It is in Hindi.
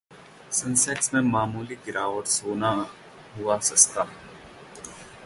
सेंसेक्स में मामूली गिरावट, सोना हुआ सस्ता